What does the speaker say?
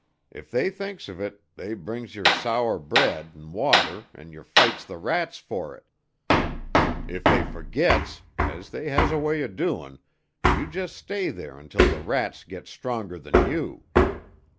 If they thinks of it, they brings yer sour bread an' water an' yer fights the rats fer it; if they fergits, as they has a way er doin', you jus' stay there until the rats gits stronger than you.